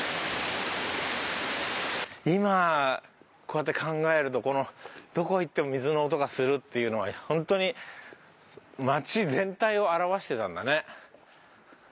今こうやって考えるとこのどこへ行っても水の音がするっていうのはホントに町全体を表してたんだね。